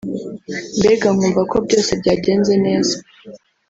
mbega nkumva ko byose byagenze neza